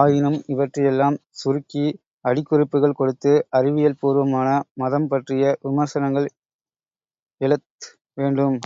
ஆயினும் இவற்றையெல்லாம் சுருக்கி, அடிக்குறிப்புகள் கொடுத்து, அறிவியல் பூர்வமான மதம் பற்றிய விமர்சனங்கள் எழுத் வேண்டும்.